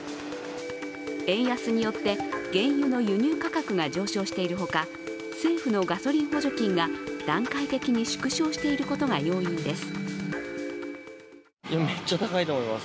円安によって原油の輸入価格が上昇しているほか政府のガソリン補助金が段階的に縮小していることが要因です。